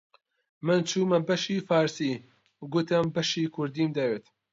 من چوومە بەشی فارسی، گوتم بەشی کوردیم دەوێ